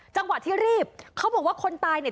จังหวะที่รีบเขาบอกว่าคนตายเนี่ย